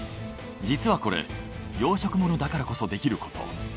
実はこれ養殖ものだからこそできること。